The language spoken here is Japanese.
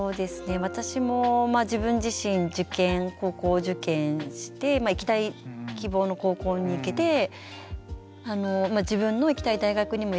私も自分自身受験高校受験して行きたい希望の高校に行けて自分の行きたい大学にも行けた。